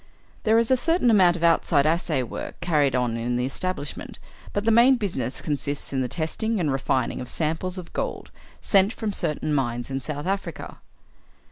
There is a certain amount of outside assay work carried on in the establishment, but the main business consists in the testing and refining of samples of gold sent from certain mines in South Africa.